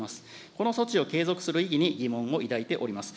この措置を継続する意義に、疑問を抱いてあります。